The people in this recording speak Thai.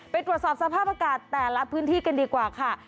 ไปตรวจสอบสภาพอากาศแต่ละพื้นที่กันดีกว่าค่ะ